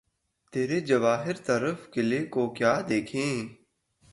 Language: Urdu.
تیرے جواہرِ طُرفِ کلہ کو کیا دیکھیں!